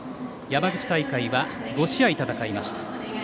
山口大会は５試合戦いました。